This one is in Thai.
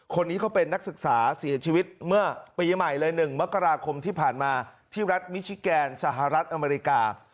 คนนี้เขาเป็นนักศึกษาเสียชีวิตเมื่อปีใหม่เลย๑มกราคมที่ผ่านมาที่รัฐมิชิแกนสหรัฐอเมริกา